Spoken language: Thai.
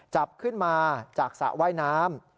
จับขึ้นมาจากสระว่ายน้ำ